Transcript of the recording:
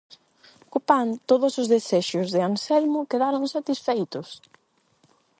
Co pan, todos os desexos de Anselmo quedaron satisfeitos.